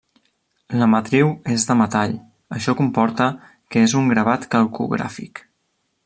La matriu és de metall; això comporta que és un gravat calcogràfic.